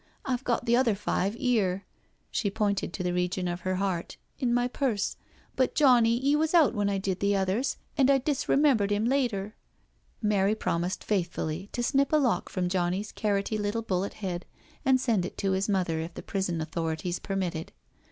I've got the other five 'ere "—she pointed to the region of her heart—" in my purse, but Johnny 'e was out when I did the others, an* I disremembered 'im later »*' Mary promised faithfully to snip a lock from Johnny's carroty little bullet head and send it to his mother if the prison authorities permitted.